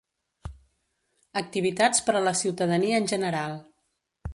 Activitats per a la ciutadania en general.